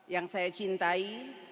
yang saya cintai